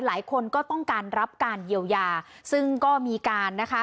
หลายคนก็ต้องการรับการเยียวยาซึ่งก็มีการนะคะ